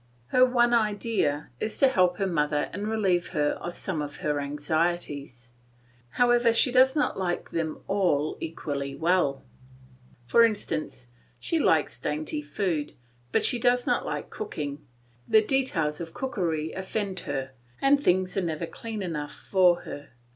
Her one idea is to help her mother and relieve her of some of her anxieties. However, she does not like them all equally well. For instance, she likes dainty food, but she does not like cooking; the details of cookery offend her, and things are never clean enough for her.